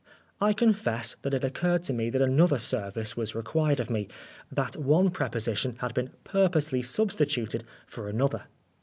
I confess that it occurred to me that another service was required of me that one preposition had been purposely substituted for another.